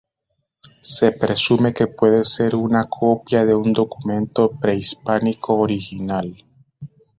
Se presume que puede ser una copia de un documento prehispánico original.